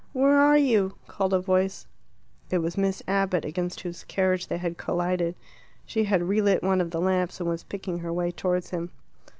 "Where are you?" called a voice. It was Miss Abbott, against whose carriage they had collided. She had relit one of the lamps, and was picking her way towards him.